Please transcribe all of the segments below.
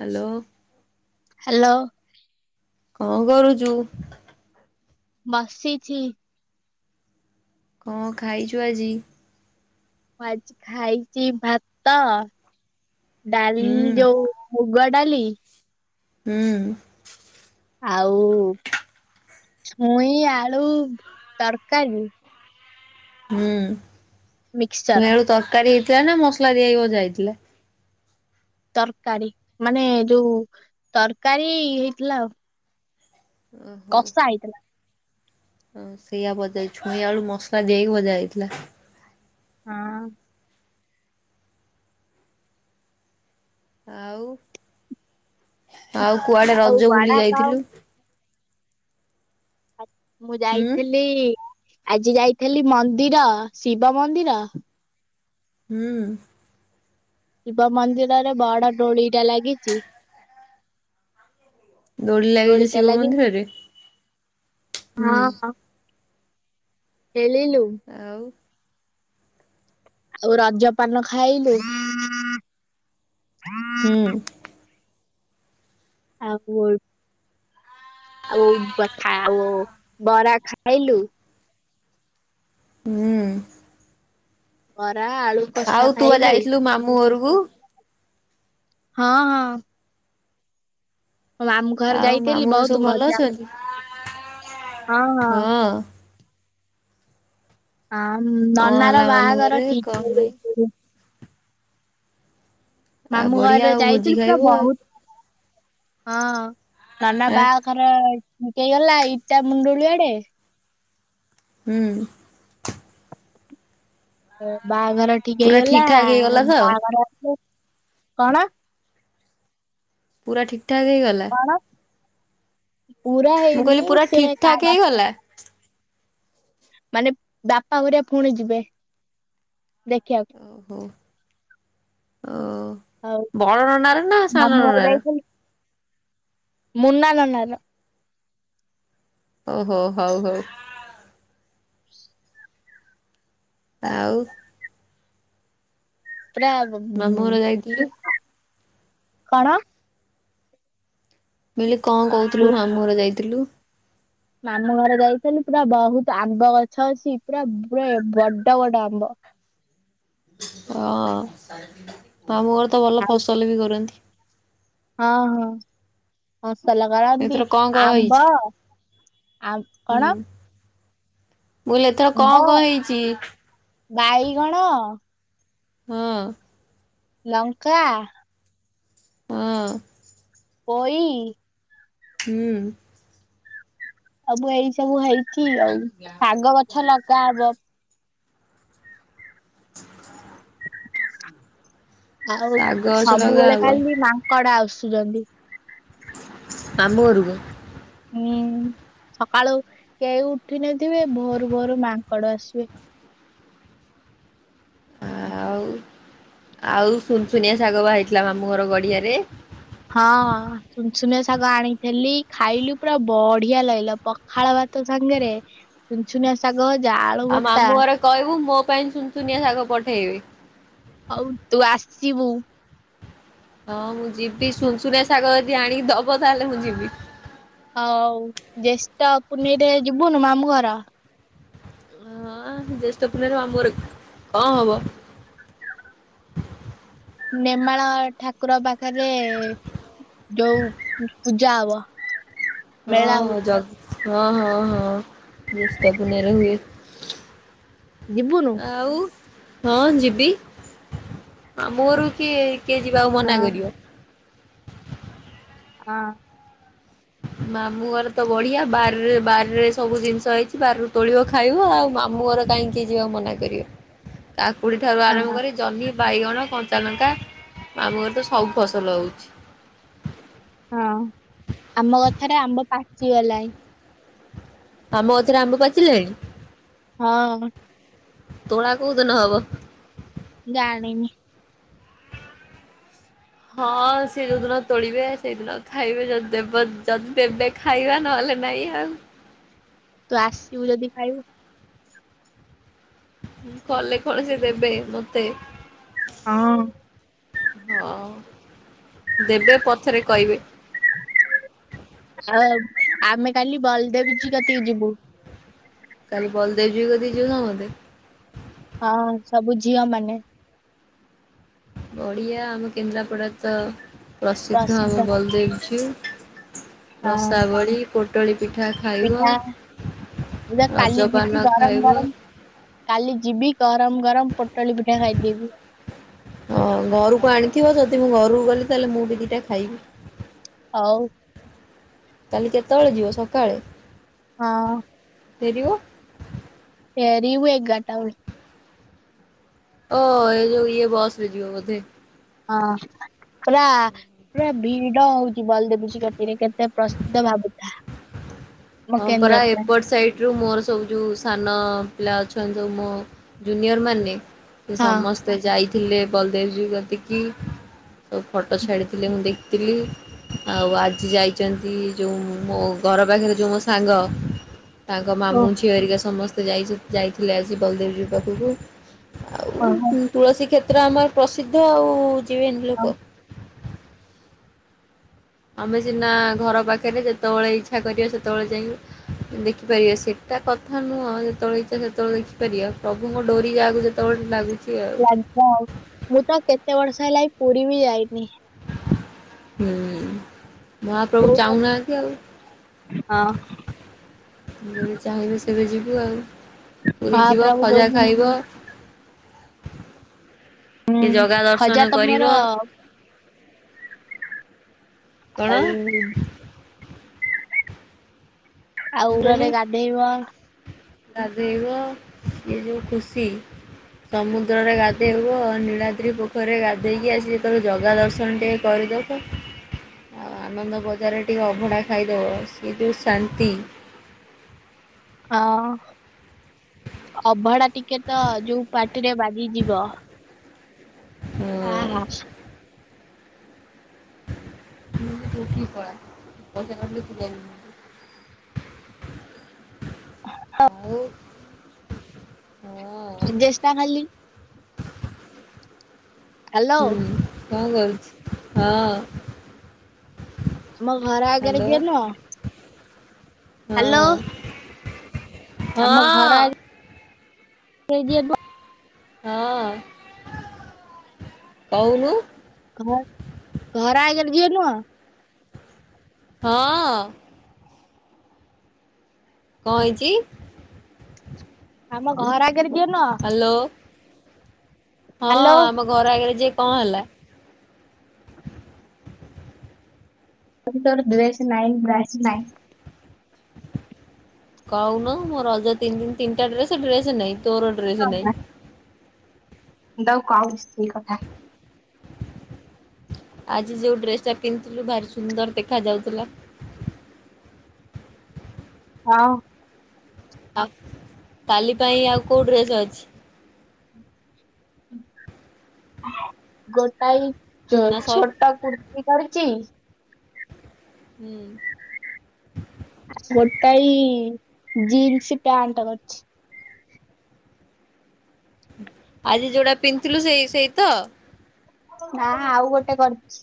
Hello. Hello. କଣ କରୁଚୁ? ବସିଛି। କଣ ଖାଇଚୁ ଆଜି? ମୁଁ ଆଜି ଖାଇଛି ଭାତ ଡାଲି ହୁଁ ଯୋଉ ମୁଗ ଡାଲି ହୁଁ। ଆଉ ଛୁଇଁ ଆଳୁ ତରକାରୀ। ହୁଁ ଛୁଇଁ ମିକ୍ସଚର ଆଳୁ ତରକାରୀ ହେଇଥିଲା ନା ମସଲା ଦିଆହୋଇକି ଭଜା ହେଇଥିଲା। ତରକାରୀ ମାନେ ଯୋଉ ତରକାରୀ ହେଇଥିଲା ଆଉ। ଓହୋ। କଷା ହେଇଥିଲା ହ ସେଇଆା ବୋଧେ ଛୁଇଁ ଆଳୁ ମସଲା ଦେଇକି ବଜା ହେଇଥିଲା। ହଁ। ଆଉ ଆଉ କୁଆଡ଼େ ଆଉ ରଜ ବୁଲି ବଡା ପାଉ ଯାଇଥିଲୁ। ମୁଁ ହୁଁ ଯାଇଥିଲି ଆଜି ଯାଇ ଲି ମନ୍ଦିର ଶିବ ମନ୍ଦିର ହୁଁ। ଶିବ ମନ୍ଦିରରେ ବଡ଼ ଦୋଳିଟା ଲାଗିଚି। ଦୋଳି ଲାଗିଚି ଶିବ ମନ୍ଦିରରେ। ହଁ ହୁଁ ହ ଖେଳିଲୁ। ଆଉ ଆଉ ରଜପାନ ଖାଇଲୁ। ହୁଁ। ଆଉ ଆଉ ବଥା ଆଉ ବରା ଖାଇଲୁ। ହୁଁ। ବରା ଆଳୁ କଷା ଆଉ ତୁ ପା ଖାଇଲୁ। ଯାଇଥିଲୁ ମାମୁଁ ଘରକୁ। ହଁ। ମୋ ମାମୁଁଘରେ ଆଉ ଯାଇଥିଲି ମାମୁଁ ଘରେ ବହୁତ ସବୁ ଭଲ ମଜା କଲି। ଅଛନ୍ତି? ହଁ ହଁ। ହଁ କଣ ହେଲା ନନାର ମାମୁଁ ବାହାଘର ଘରେ ଠିକ୍ କଣ ନାଇଁ? ହେଇଯାଇଚି ରେ। ଆଉ ମାମୁଁ ବଢିଆ ଘରେ ଆଉ ଭୋଜି ଯାଇଥିଲି ପୁରା ଖାଇବୁ ଆଉ ବହୁତ ହଁ ନନା ଆଁ ବାହାଘର ଠିକ୍ ହେଇଗଲା ଇଟା ମୁଣ୍ଡୁଳିଆଡ଼େ। ହୁଁ। ବାହାଘର ଠିକ ପୁରା ହେଇଗଲା ଠିକ୍ ଠାକ୍ ହେଇଗଲା ତ ବାହାଘର କଣ ପୁରା ଠିକ୍ ଠାକ୍ ହେଇଗଲା। କଣ ପୁରା ମୁଁ ହେଇନି କହିଲି ପୁରା ସେ ଠିକ୍ କ ଠାକ୍ ବା ହେଇଗଲା ମାନେ ବାପା ଘରିଆ ପୁଣି ଯିବେ ଦେଖିବାକୁ। ଓହୋ ଓ ଆଉ ବଡ ନନାର ନା ମାମୁଁ ସାନ ଘର ନନାର? ଯାଇଥିଲି ମୁନା ନନାର। ଓହୋ ହଉ ହଉ।। ଆଉ? ପୁରା ହ ମାମୁଁ ଘର ଯାଇଥିଲୁ କଣ? ମୁଁ କହିଥିଲି କଣ କହୁଥିଲୁ ମାମୁଁ ଘରକୁ ଯାଇଥିଲୁ। ମାମୁଁ ଘରେ ଯାଇଥିଲୁ ପୁରା ବହୁତ ଆମ୍ବ ଗଛ ଅଛି, ପୁରା ପୁରା ବଡ ବଡ ଆମ୍ବ। [inaudible] ହଁ ମାମୁଁ ଘର ତ ଭଲ ଫସଲ ବି କରନ୍ତି। ହଁ ହଁ। ଫସଲ କରନ୍ତି ଏଥର କଣ କଣ ଆମ୍ବ ହେଇଛି ଆମ୍ କଣ? ବୋଇଲେ ଏଥର କଣ ଆମ୍ବ କଣ ହେଇଚି? ବାଇଗଣ। ହଁ। ଲଙ୍କା। ହଁ। ପୋଇ। ହୁଁ। ଆବୁ ଏଇ ସବୁ ହେଇଚି ଆଉ ଶାଗ ଗଛ ଲଗା ହବ। [inaudible] ଆଉ ଶାଗ ଗଛ ସବୁବେଳେ ଲଗାହବ ଖାଲି ମାଙ୍କଡ ଆସୁ ଛନ୍ତି। ମାମୁଁ ଘରକୁ ହୁଁ ସକାଳୁ କେହି ଉଠ ନେଥିବେ ଭୋରୁ ଭୋରୁ ମାଙ୍କଡ ଆସିବେ। ଆଉ ଆଉ ସୁନସୁନିଆ ଶାଗ ବାହାରିଥିଲା ମାମୁଁ ଘର ଗଡିଆରେ? ହଁ ସୁନ ସୁନିଆ ଶାଗ ଆଣିଥିଲି ଖାଇଲୁ ପୁରା ବଢିଆ ଲାଗିଲା ପଖାଳ ଭା ଭାତ ସାଙ୍ଗରେ ସୁନ୍ ସୁନିଆ ଶାଗ ଭଜା। ଆଳୁ ଆଉ ଭର୍ତ୍ତା ମାମୁଁ ଘରେ କହିବୁ ମୋ ପାଇଁ ସୁନ୍ ସୁୁନିଆ ଶାଗ ପଠେଇବି। ହଉ ତୁ ଆସିବୁ। ହଁ ମୁଁ ଯିବି ସୁନ ସୁୁନିଆ ଶାଗ ଯଦି ଆଣିକି ଦବ ତାହେଲେ ମୁଁ ଯିବି। ହଉ ଜେଷ୍ଠ ପୁନେଇ ରେ ଯିବୁନି ମାମୁଁ ଘର? ହଁ ଜ୍ୟେଷ୍ଠ ପୁନେଇ ରେ ମାମୁଁ ଘରେ କଣ ହବ? [inaudible] ନେମାଳ ଠାକୁର ପାଖରେ ଯୋଉ ପୂଜା ହବ। ମେଳା ହୁଏ ହଁ ଯ ହଁ ହଁ ହଁ ଜେଷ୍ଠ ପୁନେଇରେ ହୁଏ। ଯିବୁନୁ? ଆଉ ହଁ ଯିବି ମାମୁଁ ଘରୁ କିଏ? କିଏ ଯିବାକୁ ମନା କରିବ? ହଁ। [inaudible] ମାମୁଁ ଘର ତ ବଢିଆ ବାରରେ ବାରରେ ସବୁ ଜିନିଷ ହେଇଚି ବାରି ରୁ ତୋଳିବ ଖାଇବ ଆଉ ମାମୁଁ ଘର କାଇକି ଯିବା ମନା କରିବ, କାକୁଡି ଠାରୁ ହଁ ଆରମ୍ଭ କରି ଜହ୍ନି ବାଇଗଣ, କଞ୍ଚାଲଙ୍କା ମାମୁଁ ଘର ତ ସବୁ ଫସଲ ହଉଚି। ହଁ ଆମ ଗଛରେ ଆମ୍ବ ପାଚି ଗଲାଣି। ଆମ ଗଛ ରେ ଆମ୍ବ ପାଚିଲାଣି? ହଁ। ତୋଳା କୋଉଦିନ ହବ? ଜାଣିନି। ହଁ ସି ଯୋଉଦିନ ତୋଳିବେ ସେଇଦିନ ଖାଇବେ ଯଦି ଦେବ ଯଦି ଦେବେ ଖାଇବା ନହେଲେ ନାଇ ଆଉ। ତୁ ଆସିବୁ ଯଦି ଖାଇବୁ? କଲେ କଣ ସେ ଦେବେ ମତେ? ହଁ। ହଁ। ଦେବେ ପଛରେ କହିବେ ଆଉ ଆମେ କାଲି ବଲଦେବ କତିକି ଯିବୁ। କାଲି ବଲଦେବଜୀ କଧି ଯାଉନା ମେ [inaudible] ହଁ ସବୁ ଝିଅ ମାନେ ବଡ଼ିଆ ଆମ କେନ୍ଦ୍ରାପଡ଼ା ତ ପ୍ରସିଦ୍ଧ ଆମ ବଲଦେବଝୁ ହଁ ରସାବଳି, ପୋଟଳ ପିଠା ଖାଇବ ପିଠା ମୁଁ କାଲି ରଜପାନ ଯିବି ଗରମ ଖାଇବ। ଗରମ କାଲି ଯିବି [inaudible] ଗରମ ଗରମ ପୋଟଳ ପିଠା ଖାଇଦେବି। ରହୁ଼ ଗଲି ତାହେଲେ ମୁଁ ବି ଦିଟା ଖାଇବି। ଆଉ କାଲି କେତେବେଳେ ଯିବ? ସକାଳେ। ହଁ। ଫେରିବ? ଫେରିବୁ ଏଗାର ଟା ବେଳକୁ [inaudible] ଓ ଏ ଯଉ ଇଏ ବସ ରେ ଯିବ ବୋଧେ। ହଁ। ପୁର ପୁରା ଭିଡ ହଉଛି ବଲଦେବୀ କତିରେ କେତେ ପ୍ରସିୁତ ଭାବୁଥା? ଆମ ହଁ ପରା କେନ୍ଦ୍ରାପଡା ଏପଟ ସାଇଟ ରୁ ମୋର। ସବୁ ଯେଉଁ ସାନ ପିଲା ଅଛନ୍ତି ସବୁ ମୋ ଜୁନିଅର ମାନେ ସେ ହଁ ସମସ୍ତେ ଯାଇଥିଲେ ବଲଦେବଜୀ କତିକି। ସେ ଫଟୋ ଛାଡ଼ିଥିଲି ମୁଁ ଦେଖିଥିଲି ଆଉ ଆଜି ଯାଇଛନ୍ତି ଯେଉଁ ମୋ? ଘର ପାଖରେ ଯେଉଁ ମୋ ସାଙ୍ଗ ତାଙ୍କ ଓ ମାମୁଁ ଝିଅ ହେରିକା ସମସ୍ତେ। ଯାଇଥିଲେ ଆଜି ବଲଦେବଜୀ ହଁ ପାଖକୁ ପତ୍ର ଆମର ପ୍ରସିଦ୍ଧ ଆଉ ଯିବେନି ହଁ ଲୋକ। ଆମେ ସିନା ଘର ପାଖରେ ଯେତେବେଳେ ଇଚ୍ଛା କରିବା ସେତେବେଳେ ଯାଇ ଦେଖିପାରିବା ସେଟା କଥା ନୁହଁ ଆଉ ଯେତେବେଳେ ଇଚ୍ଛା ସେତେବେଳେ ଦେଖିପାରିବା ପ୍ରଭୁଙ୍କ ଡୋରି ଯାକୁ ଯେତେବେଳେ ଲାଗୁଛି। ଆଉ। ଲାଗିବ ମୁଁ ତ କେତେ ବର୍ଷ ହେଲା ପୁରୀ ବି ଯାଇନି। ହୁଁ। ମହାପ୍ରଭୁ ହଁ ଚାହୁଁନାହାନ୍ତି ଆଉ! ଯେବେ ଚାହିଁବେ ସେବେ ଯିବୁ ଆଉ। ପୁରୀ ଯିବା ମହାପ୍ରଭୁ ଖଜା ଯୋଉଦିନ ଖାଇବ। ହୁଁ ଟିକେ ଜଗା ଖଜା ଦର୍ଶନ କରିବ ତମର କଣ ଆ [unintelligible] ଆଉ ଉରରେ ଗାଧେଇବ? ଗାଧୋଇବ ଇଏ ଯୋଉ ଖୁସି ସମୁଦ୍ରରେ। ରେ ଗା ହେବ ନୀଳା [inaudible] ସ୍ତ୍ରୀ ପୋଖରୀରେ ଗାଧୋଇକି ଆସିକୀ ଯେତେବେଳେ ଜଗା ଦର୍ଶନ ଟିକେ କରିଦେବ। ଆଉ ଆନନ୍ଦ ବଜାରରେ ଟିକେ ଅଭଢ଼ା ଖାଇଦେବ ସେ ଯେଉଁ ଶାନ୍ତି। [inaudible] ହଁ। ଅଭଡ଼ା ଟିକେ ତ ଯୋଉ ପାଟିରେ ଆହା ହଁ। ତୁ କି କର ପଇସା କାଟିଲ ତ ଯାଇ ନି ହଁ। ହଁ ଜଷ୍ଟା ଖାଲି ହ୍ୟାଲୋ। କଁ କରଛି ହଁ। ଆମ ଘର ଆଗରେ ହ୍ୟାଲୋ ଯିଏ ନୁହଁ, ହ୍ୟାଲୋ। ହଁ। ସେ ଯେ ତ ହଁ କହୁ ଘ ଘର ଆଗେରେ ଯିଏ ନୁହଁ ହଁ। କଣ ହେଇଚି? ଆମ ଘର ଆଗରେ ଯିଏ ନୁହଁ ହ୍ୟାଲୋ ହଁ ହ୍ୟାଲୋ ଆମ ଘର ଆଗରେ ଯିଏ କଣ ହେଲା? ତାର ଡ୍ରେସ୍ ନାଁଇ [unintelligible] କହୁନୁ ମୋ ରଜ ତିନି ଦ ତିନିଟା ଡ୍ରେସ ଡ୍ରେସ ନାହିଁ ତୋର ଡ୍ରେସ ନାହିଁ। ମୁଁ ତାକୁ କହୁଚି ଆଉ ସେଇ କଥା। [unintelligible] ଆଜି ଯେଉଁ ଡ୍ରେସଟା ପିନ୍ଧିଥିଲୁ ଭାରି ସୁନ୍ଦର ଦେଖାଯାଉଥିଲା। [unintelligible] ହଁ। ଆଉ କାଲି ପାଇଁ ଆଉ କୋଉ ଡ୍ରେସ୍ ଅଛି? ଗୋଟାଳି ନା ସରି ଛୋଟ କୁର୍ କି କରିଚି ହୁଁ ଗୋଟାଇ ଜିନ୍ସି ପ୍ୟାଣ୍ଟ ଅଛି ଆଜି ଯୋଉଟା ପିନ୍ଧଥିଲୁ ସେଇ ସେଇ ତ? ନା ଆଉ ଗୋଟେ କରିଛି।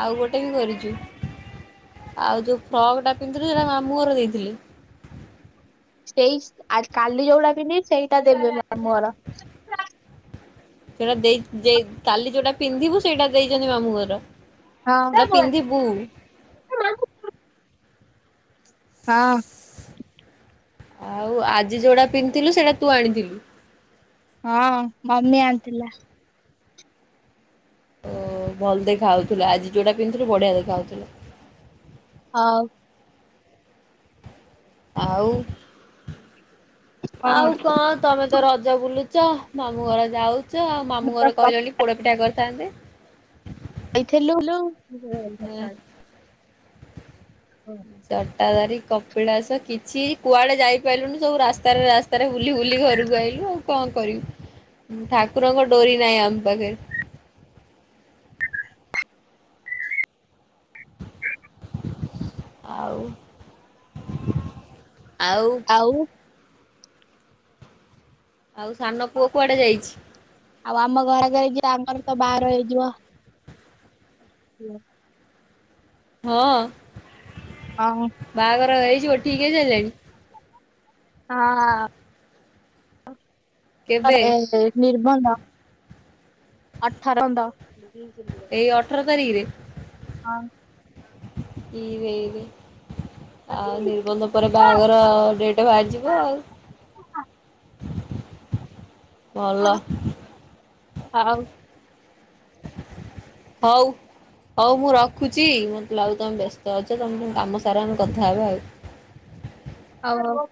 ଆଉ ଗୋଟେ ବି କରିଚୁ। ଆଉ ଯୋଉ ଫ୍ରକ୍ ଟା ପିନ୍ଧଥିଲୁ ସେଟା ମାମୁଁ ଘର ଦେଇଥିଲି? ସେଇ କାଲି ଯୋଉଡା ପିନ୍ଧିବି ସେଇଟା ଦେବେ ମାମୁଁ ଘର। ସେଟା ଦେ ଦେଇ ଦେଇ କାଲି ଯୋଉଟା ପିନ୍ଧିବୁ ସେଇଟା ଦେଇଛନ୍ତି ମାମୁଁ ଘର। ଯଉଟା ପିନ୍ଧିବୁ? ହଁ ହଁ। ଆଉ ଆଜି ଯୋଉଟା ପିନ୍ଧିଥିଲୁ ସେଇଟା ତୁ ଆଣିଥିଲୁ? ହଁ ମମି ଆଣିଥିଲା। ଓ ଭଲ ଦେଖାଉଥିଲା, ଆଜି ଯୋଉଟା ପିନ୍ଧୁଥିଲୁ ବଢିଆ ଦେଖାଉଥିଲା। ହଉ। ଆଉ ଆଉ କଣ ତମେ ତ ରଜ ବୁଲ ଚ ମାମୁଁ ଘର ଯାଉଛ, ଆଉ ମୁଁ ମାମୁଁ ତ ଘର କହିଲେ ବୋଲି ପୋଡ ପିଠା କରିଥାନ୍ତେ? ଖଇଥିେଲୁ ଲୁ ତାଡ କଟାଦାରି କପିଳାସ କିଛି କୁଆଡେ ଯାଇପାରିଲୁନି ସବୁ ରାସ୍ତାରେ ରାସ୍ତାରେ ବୁଲି ବୁଲି ଘରକୁ ଆଇଲୁ। ଆଉ କଣ କରିବି ଠାକୁରଙ୍କ ଡୋରି ନାହିଁ ଆମ ପାଖରେ। [unintelligible] ଆଉ ଆଉ। ଆଉ ସାନ ପୁଅ କୁଆଡେ ଯାଇଛି? ଆଉ ଆମ ଘରେ କହିଚି ଆମର ତ ବାର ହେଇଯିବ। [unintelligible] ହଁ ବାହାଘର ହେଇଯିବ ଠିକ ହେଇ ସାରିଲାଣି! ହଁ [unintelligible] କେବେ? ନିର୍ବନ୍ଧ। ଆଠର [unintelligible] ଏଇ ଅଠର ତାରିଖରେ‌! ହଁ। ଇରେ ଇରେ ଆଉ ନିର୍ବନ୍ଧ ପରେ ହଁ ବାହାଘର ଡେଟ୍ ବାଜିବ ଆଉ। ଭଲ। ଆଉ ହଉ। ହଉ ମୁଁ ରଖୁଛି ମତେ ଲାଗୁଚି ତମେ ବ୍ୟସ୍ତ ଅଛ ତମେ ତମ କାମ ସାରା ଆମେ କଥା ହବା ଆଉ। ହ ହଉ ହଉ।